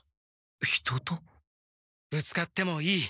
ぶつかってもいい。